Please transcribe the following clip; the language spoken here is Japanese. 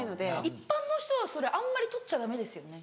一般の人はそれあんまり採っちゃダメですよね？